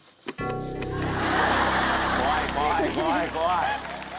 怖い怖い怖い怖い！